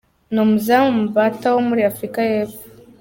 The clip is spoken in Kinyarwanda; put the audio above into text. Nomzamo Mbatha wo muri Afrika y'Epfo.